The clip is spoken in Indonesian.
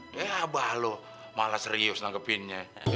ya abah lo malah serius nanggepinnya